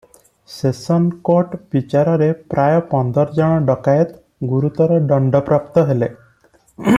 Session court ବିଚାରରେ ପ୍ରାୟ ପନ୍ଦର ଜଣ ଡକାଏତ ଗୁରୁତର ଦଣ୍ଡ ପ୍ରାପ୍ତ ହେଲେ ।